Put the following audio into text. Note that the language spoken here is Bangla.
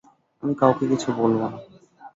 আমি কাউকে কিছু বলব না।